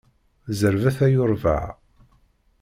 Zerbet ay urbaε!